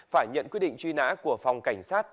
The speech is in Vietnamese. phải nhận quyết định truy nã của phòng cảnh sát